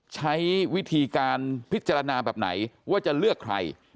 ใช้วิธีการพิจารณาแบบไหนว่าจะเลือกใคร